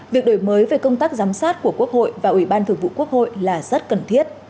việc đổi mới về công tác giám sát của quốc hội và ủy ban thượng vụ quốc hội là rất cần thiết